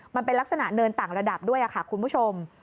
มันเป็นลักษณะเนินต่างระดับด้วยค่ะคุณผู้ชม